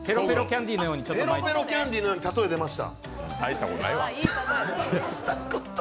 ペロペロキャンディーのようにたとえ出ました。